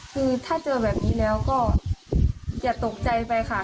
คือถ้าเจอแบบนี้แล้วก็อย่าตกใจไปค่ะ